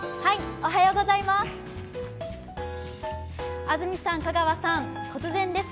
おはようございます。